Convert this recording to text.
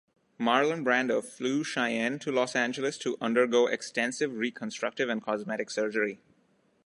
Marlon Brando flew Cheyenne to Los Angeles to undergo extensive reconstructive and cosmetic surgery.